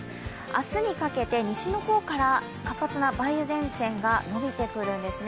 明日にかけて西の方から活発な梅雨前線が伸びてくるんですね。